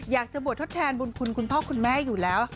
อยากจะบวชทดแทนบุญคุณคุณพ่อคุณแม่อยู่แล้ว